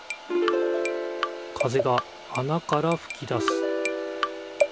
風があなからふき出す。